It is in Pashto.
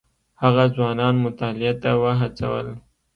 هغه ځوانان مطالعې ته وهڅول.